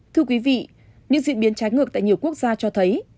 thưa quý vị những diễn biến trái ngược tại nhiều quốc gia cho thấy